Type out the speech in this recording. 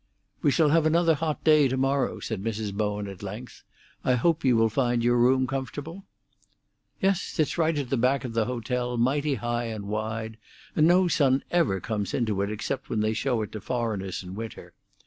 "We shall have another hot day to morrow," said Mrs. Bowen at length. "I hope you will find your room comfortable." "Yes: it's at the back of the hotel, mighty high, and wide, and no sun ever comes into it except when they show it to foreigners in winter.